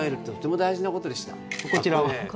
こちらは？